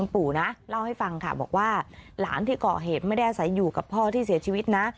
ปู่นะเล่าให้ฟังค่ะบอกว่าหลานที่ก่อเหตุไม่ได้อาศัยอยู่กับพ่อที่เสียชีวิตนะ